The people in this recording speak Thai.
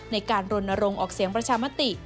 ในการรณรงค์ออกเสียงประชามติ